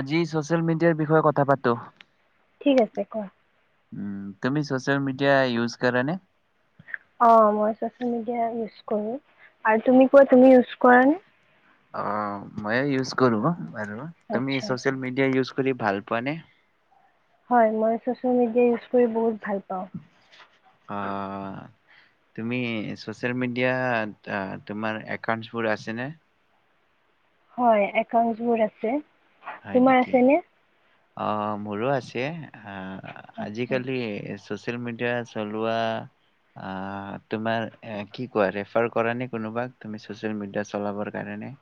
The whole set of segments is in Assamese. আজি ছ'চিয়েল মিডিয়াৰ বিষয়ে কথা থা পাতো ঠিক আছে কোৱা উম তুমি সোচেল মিডিয় ইউজ কৰাা নে অ মইচ মডিয় ইজ কৰো আৰু তুমি কোৱা তুমি ইজ কৰা নে অ মইে ইউজ কৰো [inaudible] তুমি আচ্ছা চছিয়েল মেডিয়া ইউচ্ খুলি ভাল পোৱা নে হয় মই চচিয়েল মিডিয়া ইজ কৰি বহুত ভাল পাওঁ অ তুমি চচিয়েল মিডিয়াত তোমাৰ একাউণ্টছ বোৰ আছে নে হয় একাউট বোৰ আছে তোমাৰ আছে নে অঁ মোৰো আছে হা আচ্ছা আজিকালি [inaudible] ছোচিয়েল মিডিয়া চলোৱা আ তোমাৰ এ কি কোৱা ৰেফাৰ কৰা নে কোনোবাক তুমি ছোচিয়েল মিডিয়া চলাবৰ কাৰনে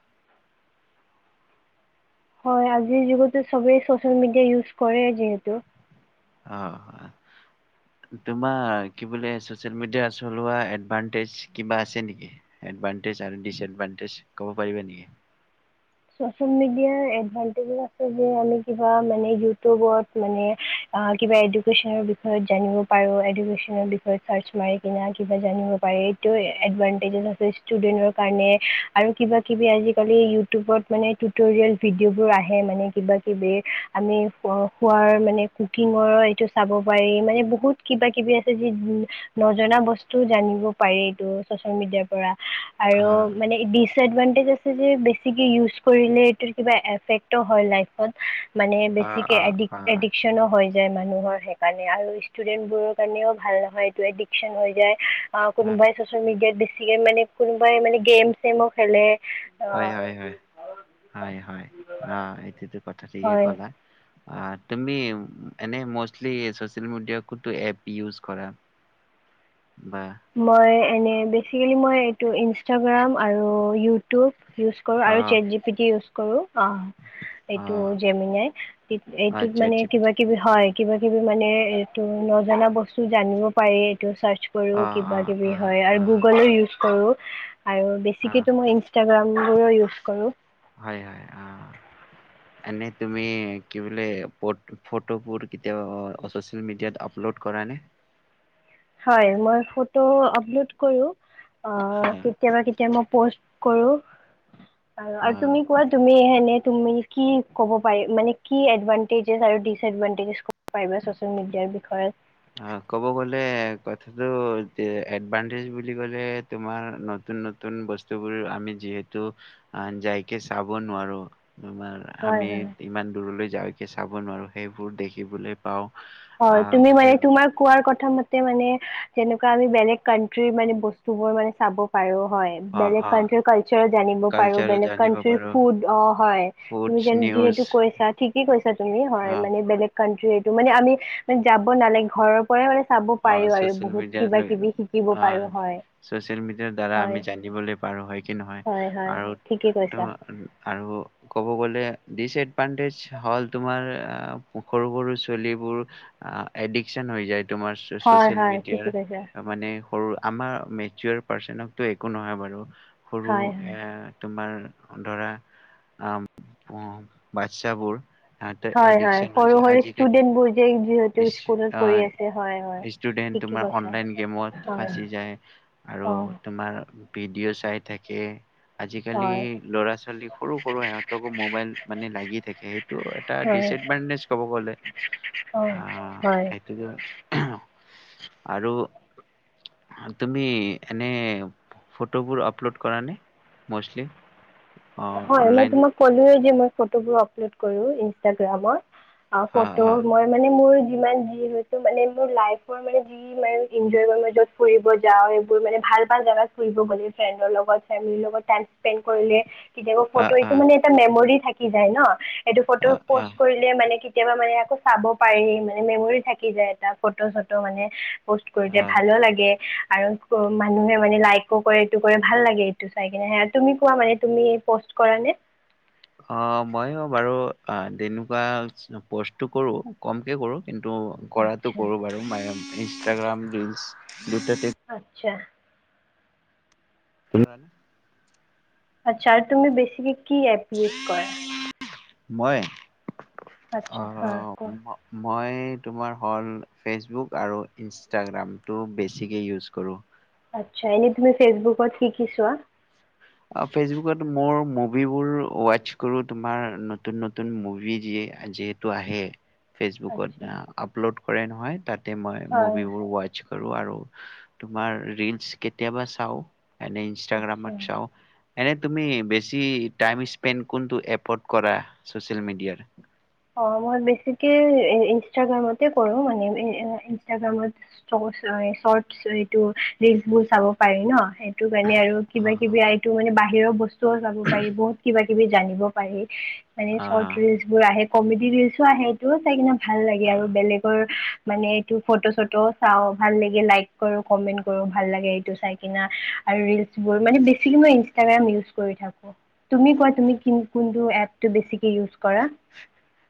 হয় আজিৰ যুগতো সবেই ছচিয়েল মিডিয়া ইউজ কৰে যিহেতু অহ তোমাৰ কি বোলে ছচিয়েল মিডিয়া চলোৱা এডভাণ্টেজ কিবা আছে নেকি এডভাণ্টেজ আৰু দিছএডভাণ্টেজ কব পাৰিবা নেকি ছচিয়েল মিডিয়াৰ এডভাণ্টেজ আছে যে আমি কিবা মানে ইটিউবত মানে কিবা এডুকেশ্বনৰ বিষয়ে জানিব পাৰো এডুকেশ্বনৰ বিষয়ে চাৰ্চ মাৰি কিবা জানিব পাৰি এইটো এডভাণ্টেজ আছে ষ্টুডেণ্টৰ কাৰনে আৰু কিবা কিবি আজি কালি [inaudible] ইটিউবত মানে টিউটৰিয়েল ভিডিঅ' বোৰ আহে মানে কিবা কিবি আমি খোৱাৰ মানে কুকিঙৰ এইটো চাব পাৰি মানে বহুত কিবা কিবি আছে যি নজনা বস্তু জানিব পাৰি এইটো চচিয়েল মিডিয়াৰ পৰা আৰু অ', মানে এডভাণ্টেজ আছে যে [inaudible] বেছিকে ইউচ কৰিলে ইটোৰ কিবা ইফেক্টো হয় লাইফট মানে অ', বেছিকে অ', এডিক অ'। এডিক্যনো হৈ যায় মানে মানুহৰ সেইকাৰণে আৰু ষ্টুডেন্ট বোৰৰ কাৰণেও ভাল নহয় এইটো এডিকচন হৈ যায় অ হয়, কোনোবাই চচিয়েল মিডিয়াত দি [inaudible] বেছিকে মানে কোনোবাই মানে গেম চেমো খেলে অ হয়, হয়, হয় হয় অ এইটোতো কথা ঠিকেই হয় ক'লা অ তুমি এনে মষ্টলি ছচিয়েল মিডিয়া কোনটো এপ ইউচ কৰা বা মই এনে বেচিকেলি মই এইটো ইনষ্টাগ্ৰাম আৰু ইটিউব ইউজ কৰো আৰু অ'। Chat G P T use কৰো অ এইটো অ', জেমিনাই অ', এইটোত চেট মানে জি পি টি। কিবা কিবি হয় কিবা কিবি মানে এইটো নজনা বস্তু জানিব পাৰি টো চাৰ্চ কৰো অ', কিবা অ', কিবি অ', হয় আৰু অ', গুগলো ইউজ কৰো আৰু অ', বেছিকেতো মই ইন ইষ্টাগ্ৰামবোৰো ইউজ কৰোঁ হয় হয় অহ এনে তুমি কি বোলে ফটোবোৰ কেতিয়াবা ছচিয়েল মিডিয়াত আপলোড কৰা নে হয় মই ফটো আপলোড কৰোঁ অ কেতিয়াবা কেতিয়াবা মোক প'ষ্ট কৰোঁ আৰু অ আৰু তুমি কোৱা তুমি তুমি কি ক'ব পাৰি মানে কি এদভানটেজ আৰু দিচ এদভানটেজৰ ক'ব পাৰিবা চচিয়েল মিডিয়াৰ বিষয়ে অ ক'ব গলে কথাটো এডভানটেজ বুলি ক'লে তোমাৰ নতুন নতুন বস্তুবোৰ আমি যিহেতু যাইকে চাব নোৱাৰো আমাৰ হয় আমি হয় ইমান দূৰলৈ যাওঁ চাব নোৱাৰোঁ সেইবোৰ দেখিবলৈ পাওঁ হয় আহ তুমি মানে সেই তোমাৰ কোৱাৰ কথা মতে মানে তেনেকুৱা আমি বেলেগ কানট্ৰিৰ মানে বস্তু বোৰ মানে চাব পাৰো হয় অ বেলেগ অ কাউন্ট্ৰীৰ কালছাৰো জানিব পাৰোঁ কালচাৰো বেলেগ জানিব কাউন্ট্ৰীৰ পাৰো ফুদ অ হয় ফুডছ তুমি নিউজ যিহেতু কৈছা ঠিকে কৈছা তুমি অ হয় মানে বেলেগ কাউন্ট্ৰীৰ সেইটো মানে আমি যাব নেলাগে ঘৰৰ পৰাই মানে চাব অ পাৰো আৰু চচিয়েল বহুত মিডিয়া কিবা লৈ কিবি শিকিব আহ পাৰো হয় চচিয়েল মিডিয়াৰ দ্বাৰা হয় আমি জানিবলৈ পাৰো হয় কি নহয় হয় হয় আৰু ঠিকেই ত কৈছা আৰু ক'ব গলে ডিচএডভানটেজ হ'ল তোমাৰ সৰু সৰু ছোৱালিবোৰ এডিকচন হৈ যায় তোমাৰ। হয় চচিয়েল হয় ঠিকেই মিডিয়াৰ কৈছা মানে সৰু আমাৰ [unintelligible] পাৰ্চনকো একো নহয় বাৰু। সৰু হয় এ হয় তোমাৰ ধৰা আ উ বাচ্ছাবোৰ সিহঁতৰ হয় হয় এডিকচন হৈ সৰু যায় সৰু আজিকালি ষ্টুডেট বোৰ ষ্টুডেন্ট ঠিকে তোমাৰ কৈছা অনলাইন গেমত হয় ফাঁচি যায় আৰু অ তোমাৰ ভিডিঅ' চাই থাকে। আজিকালি হয় লৰা ছোৱালী সৰু সৰু সহতকো মবাইল মানে লাগি থাকে সেইটো এটা হয় ডিচএডভান্টৈজ কব গলে। অ আহ হয়। সেইটোতো আৰু তুমি এনে ফটোবোৰ আপলোড কৰা নে মষ্টলি? অ হয় মই অনলাইন তোমাক কল মই ফটোবোৰ আপলোড কৰো ইনষ্টাগ্ৰামত। অ' ফটো মই মানে মোৰ যিমান যি হয় ম ম ল মানে যত ফুব যা এইবোৰ ভ ভ জাত ফুবলে ফ্ৰৰ লগত ফে লগত স্প কৰিলে কেতিয়াব অ ফটো এইটো মানে এটা মেমৰি। থাকি যায় ন? সেইটো ফটো অ অ অ পষ্ট কৰিলে মানে কি কেতিয়াবা মানে আকৌ চাব পাৰি মানে মেমৰি থাকি যায় এটা ফটো চটো মানে। পষ্ট কৰি যে অ ভালো লাগে। আৰু মানুহে মানে লাইকো কৰে এইটো কৰে ভাল লাগে এইটো চাই কিনে সে তুমি কোৱা মানে তুমি কৰা নে? অ' মই বাৰু তেনেকুৱা পষ্টটো কৰো কমকে কৰো। কিন্তু কৰাতটো আচ্ছা কৰোঁ বাৰু ইনষ্টাগ্ৰাম ৰীলছ আচ্ছা। [inaudible] আচ্ছা আৰু তুমি বেছি কি এপ ইউজ কৰা? মই আচ্ছা অ', ম- মই তোমাৰ হ'ল ফেচবুক আৰু ইনষ্টাগ্ৰামটো বেছিকৈ ইউজ কৰোঁ। আচ্ছা এনে তুমি ফেচবুকত কি কি চোৱা? ফেচবুকত মোৰ মুভিবোৰ ৱাটচ কৰো তোমাৰ নতুন নতুন মুভি যিহেতু আহে আচ্ছা ফেচবুকত আপলোড কৰে নহয় তাত তে মই হয় মুভিবোৰ ৱাটচ আৰু আৰু তোমাৰ ৰীলছ কেতিয়াবা চাওঁ। এনে আচ্ছা ইনষ্টাগ্ৰামত এনে তুমি বেছি টাইম স্পেন্ড কোনটো এপত কৰা চচিয়েল মিডিয়াৰ? অ মই বেছিকে ইনষ্টাগ্ৰামতে কৰো মানে ইনষ্টাগ্ৰামত চৰ্ট এইটো ৰিলচ বোৰ চাব পাৰি ন সেইটো কাৰণে আৰু কিবা অ', কিবি মানে [unintelligible] যাব পাৰি বহুত কিবা কিবি জানিব পাৰি মানে চৰ্ট অ', ৰীলচবোৰ আহে কমেডি ৰীলচো আহে সেইটোও চাই কিনে ভাল লাগে আৰু অ'। বেলেগৰ মানে এইটো‌ ফট' চট চাওঁ, ভাল লাগে লাইক কৰো, কমেণ্ট কৰো, ভাল লাগে এইটো চাই কেনে‌ আৰু ৰীলচবোৰ মানে বেছি ম‌ই ইনষ্টাগ্ৰাম ইউজ কৰি থাকোঁ। তুমি কোৱা তুমি কোনটো এপ বেছিকে ইউজ কৰা।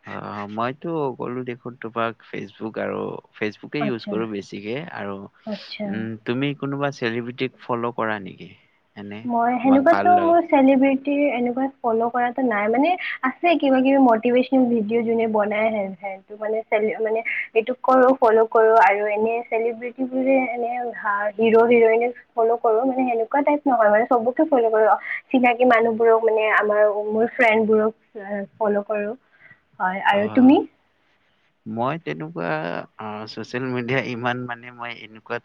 হয় হয় মইতো কলো দেখোন তোমাক ফেচবুক আৰু ফেচবুকে ইউজ আচ্ছা কৰো বেছিকে আৰু আচ্ছা উম তুমি কোনোবা চেলিব্ৰিটিক ফ'ল' কৰা নেকি এনে মই তোমাক ভাল সেনেকুৱাতো লগা মোৰ চেলিব্ৰিটি এনেকুৱা ফ'ল' কৰা নাই মানে আছে কিবা কিবি মটিভেচন ভিডিঅ' যোনে বনাইে মানে মানে এইটো কৰো ফল' কৰো আৰু এনে চেলিব্ৰিট বোৰে এনে হিৰো হিৰইনক ফ'ল' কৰো মানে সেনেকুৱা টাইপ। নহয় মানে চবকে ফল' কৰো চিনাকি মানুহবোৰক মানে আমাৰ মোৰ ফ্ৰেণ্ডবোৰক ফল কৰো হয় আৰু অ'। তুমি মই তেনেকুৱা চচিয়েল মিডিয়া ইমান মানে মই এনেকুৱা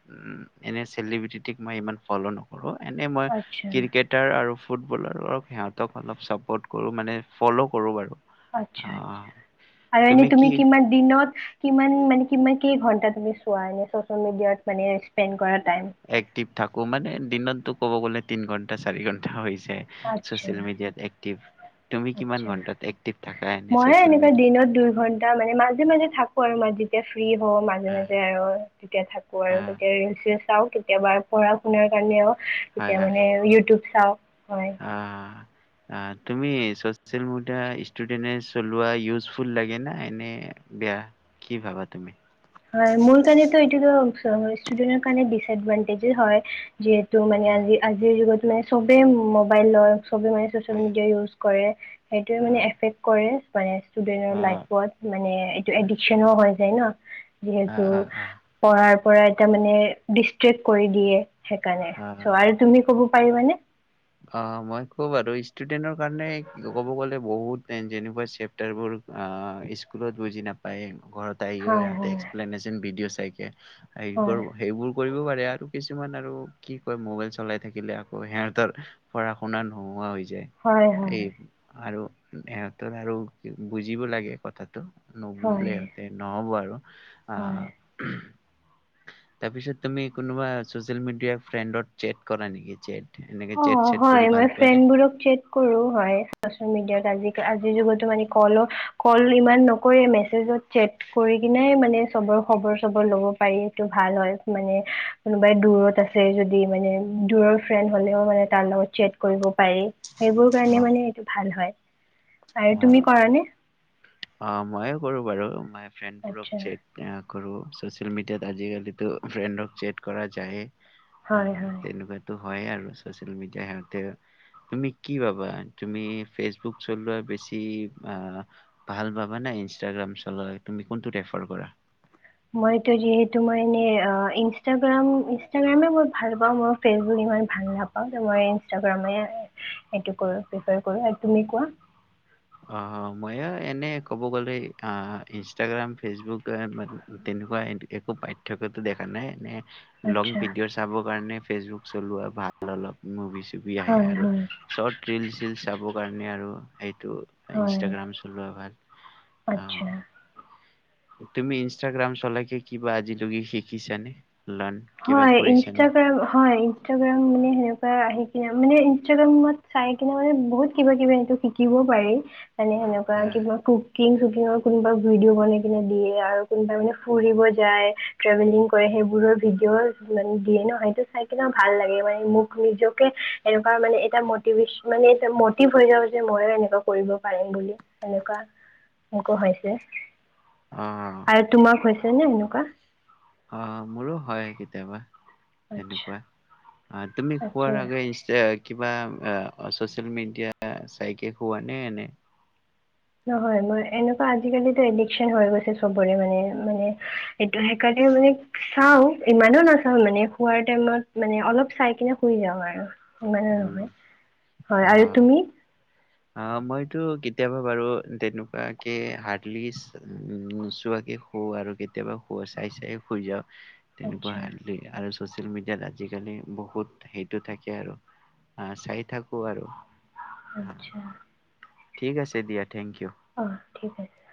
এনে চেলিব্ৰিটিক মই ইমান ফ'ল' নকৰো। এনেই মই আচ্ছা ক্ৰিকেটাৰ আৰু ফুটবলাৰক সিহঁতক অলপ ছাপৰ্ট কৰোঁ মানে, ফ'ল' কৰোঁ বাৰু আচ্ছা, আহ, আচ্ছা--আৰু এনেই তুমি কিমান দিনত কিমান মান, কিমান, কেই ঘন্টা তুমি চোৱা, এনে ছ'চিয়েল মিডিয়াত মানে, স্পেণ্ড কৰা। টাইম? এক্টিভ থাকোঁ মানে, দিনততো ক'ব গ'লে তিনি ঘণ্টা, চাৰি ঘণ্টা হয়। য়ে আচ্ছা ছ'চিয়েল মিডিয়াত। এনে মই ছ'চিয়েল এনেকা মিডিয়া দিনত দুই ঘন্টা মানে, মাজে মাজে থাকোঁ আৰু মাজে ফ্ৰী হওঁ মাজে হয় মাজে আৰু তেতিয়া থাকোঁ আৰু তেতিয়া ছিৰিয়েল চাওঁ। কেতিয়াবা পঢ়া-শুনাৰ কাৰণেও হয় এতিয়া হয়। মানে, ইউটিউব চাওঁ। হয়। অ তুমি ছ'চিয়েল মিডিয়া ষ্টুডেন্টে চলোৱা ইউজফুল লাগে না, এনে বেয়া, কি ভাবা তুমি? হয়। মোৰ কাৰণেতো এইটোতো ষ্টুডেন্টৰ কাৰণে ডিচএডভান্টেজে হয়! যিহেতু মানে, অ' আজি আজিৰ যুগত মানে, চবে মোবাইল লয়। চবে মানে ছ'চিয়েল হয় মিডিয়াই ইউজ কৰে, সেইটোৱে মানে অ' এফেক্ট কৰে। কৰে। ষ্টুডেন্টৰ অ' লাইফত মানে, এইটো এডিকশ্বনো হয়। আছে ন যিহেতু, অ' অ' পঢ়াৰ পৰা এটা মানে, ডিষ্ট্ৰেক্ট কৰি দিয়ে। সেইকাৰণে, চ' অ' আৰু তুমি ক'ব পাৰিবা নে? অ মই ক'ম বাৰু ষ্টুডেন্টৰ কাৰণে ক'ব গ'লে বহুত টান, যেনেকুৱা চেপ্টাৰবোৰ আ স্কুলত বুজি নাপায়। ঘৰত আহি হয় সিহঁতে হয় এক্সপ্লেনেচন ভিডিঅ' তাকে এই হয় কৰ, সেইবোৰ কৰিব পাৰি। [unintelligible] আৰু কিছুমান আৰু কি কয় মোবাইল চলাই থাকিলে, আকৌ হেয়া তৰ, পঢ়া-শুনা নোহোৱা হৈছে। হয় হয় এই আৰু সিহঁতৰ আৰু বুজিব লাগে কথাটো। হয় নুবুজিলে হয় সিহঁতে নহব আৰু আহ হয় তাৰপিছত তুমি কোনোবা চচেল মিডিয়া ফ্ৰেড চেট কৰা নেকি? চেট? এনেকে অ চেট চেট হয় কৰি মই ভাল পোৱা নে? ফ্ৰেণ্ডবোৰক কৰো হয়। আজিৰ যুগতো মানে কলৰ কল ইমান নকৰে মেছেজত চেট কৰি কিনোই মানে চবৰ খবৰ চবৰ ল'ব পাৰি, এইটো ভাল হয়, মানে কোনোবাই দূৰত আছে যদি মানে দূৰৰ ফ্ৰেড হলে মানে তাৰ লগত চে কৰিব পাৰি সেইবোৰ কাৰণে অ', মানে এইটো ভাল হয় আৰু তুমি অ'। কৰা নে? অ ময়ে কৰো বাৰু মই ফ্ৰেণ্ডবোৰক আচ্ছা চেট কৰোঁ ছ'চিয়েল মিডিয়াত আজিকালিতো ফ্ৰেণ্ডক চেট কৰা যায়। হয়। হয়। হয় আৰু চচিয়েল মিডিয়া সিহঁতে, তুমি কি পাবা তুমি ফেচবুক চলোৱা বেছি। ভাল পাবা না ইনষ্টাগ্ৰাম চলালে? তুমি কোনটো প্ৰেফাৰ কৰা? মই এতিয়া যিহেতু, মই এনে ইঞ্চটাগ্ৰাম, ইঞ্চটাগ্ৰামে ভাল পাওঁ আৰু, মই ফেচবুক ইমান ভাল নাপাওঁ তো মই ইঞ্চটাগ্ৰামে এইটো কৰোঁ, প্ৰেফাৰ কৰোঁ, তুমি কোৱা? অ মইয়ো এনে ক'ব গ'লে অ' ইনষ্টাগ্ৰাম, ফেচবুক তেনেকুৱা একো পাৰ্থক্যটো দেখা নাই, এনে লং আচ্ছা বিডিঅ চাবৰ কাৰণে ফেচবুক চলোৱা ভাল অলপ মুভিজ -টি আহে হয় আৰু হয় চৰ্ট ৰিল চল চাব কাৰণে আৰু সেইটো হয় ইনষ্টাগ্ৰাম চলোৱা ভাল- অ আচ্ছা। তুমি ইনষ্টাগ্ৰাম চলাইকে কিবা আজিলৈকে শিকিছানে লাৰ্ণ কিবা হয় কৰিছানে ইনষ্টাগ্ৰাম, হয় ইনষ্টাগ্ৰাম মানে সেনেকুৱা আহিছে। মানে ইনষ্টাগ্ৰামত চাই কিনে মানে বহুত কিবা কিবি সটো শিকিব পাৰি। মানে সেনেকুৱা হা কিবা কুকি কুকিং চুকিঙৰ কোনোবা ভিডিঅ' বনাই কিনে দিয়ে আৰু কোনোবাই মানে ফুৰিব যায়, ট্ৰেভেলিং কৰে সেইবোৰৰ ভিডিঅ' মানে দিয়ে ন সেইটো চাই কিনে ভাল লাগে মানে মোক নিজকে এনেকুৱা মানে এটা মতিভেচ মানে এ মটিভ হৈ যাব যে ময়ো এনেকুৱা কৰিব পাৰিম বুলি এনেকুৱা এনেকুৱা হৈছে। অ', আৰু তোমাৰ হৈছে হৈছেনে এনেকুৱা অ', মোৰো হয় কেতিয়াবা আচ্ছা তেনেকুৱা আহ তুমি খোৱাৰ আচ্ছা আগে ই কিবা চচিয়েল মিডিয়া চাইকে খোৱানে এনে নহয় মোৰ এনেকুৱা আজিকালিতো এডিকচন হৈ গৈছে সবৰে মানে মানে এইটো সেইকাৰণে মানে চাওঁ ইমানো নাচাওঁ মানে শোৱাৰ টাইমত মানে অলপ চাই কিনে শুই যাওঁ আৰু ইমাননো উম, নহয় হয় আৰু অ'। তুমি অ', মইতো কেতিয়াবা বাৰু তেনেকুৱাকে হাৰ্ডলি নোচোৱাকে শু আৰু কেতিয়াবা শু চাই চাই শুই যাওঁ। তেনেকুৱা আচ্ছা হাৰ্ডলি আৰু চচিয়েল মিডিয়াত আজিকালি বহুত হেডটো থাকে আৰু আহ চাই থাকো আৰু হা, আতছা। ঠিক আছে দিয়া থেংক ইউ। অ ঠিক আছে।